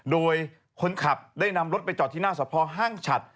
โดยคนขับได้นำรถไปจอดที่หน้าสะพอห้างฉัด